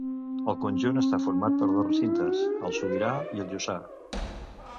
El conjunt està format per dos recintes, el Sobirà i el Jussà.